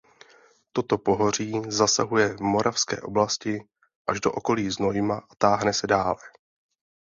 Toto pohoří zasahuje v Moravské oblasti až do okolí Znojma a táhne se dále.